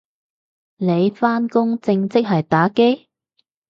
你返工正職係打機？